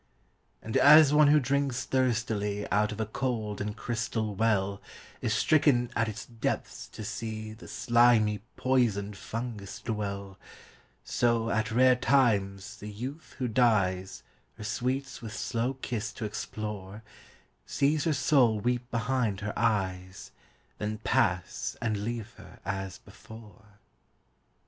And as one who drinks thirstily Out of a cold and crystal well, Is stricken at its depths to see The slimy poisoned fungus dwell ; So at rare times the youth who dies Her sweets with slow kiss to explore, Sees her soul weep behind her eyes, Then pass and leave her as before.